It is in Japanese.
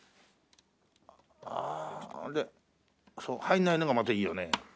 ああ入らないのがまたいいよね。